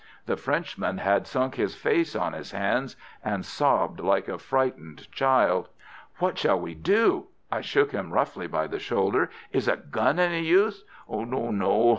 The Frenchman had sunk his face on his hands, and sobbed like a frightened child. "What shall we do?" I shook him roughly by the shoulder. "Is a gun any use?" "No, no.